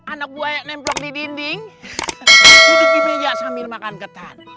anak buaya yang nembrok di dinding duduk di meja sambil makan getan